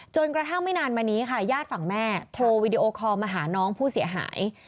จนกระทั่งไม่นานมานี้ค่ะญาติฝั่งแม่โทรวีดีโอคอลมาหาน้องผู้เสียหาย